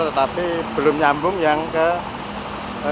tetapi belum nyambung yang ke